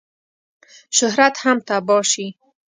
شهرت هم تباه شي.